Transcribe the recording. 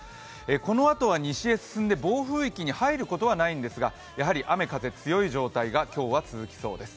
このあとは西へ進んで暴風域に入ることはないんですがやはり雨・風強い状態が今日は続きそうです。